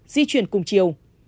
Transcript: di chuyển cùng chiều